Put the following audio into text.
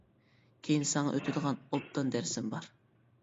كېيىن ساڭا ئۆتىدىغان ئوبدان دەرسىم بار!